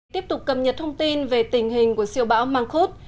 tiếp tục cầm nhật thông tin về tình hình của siêu bão mangkut